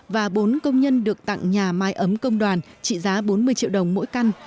và bốn công nhân được tặng nhà mai ấm công đoàn trị giá bốn mươi triệu đồng mỗi căn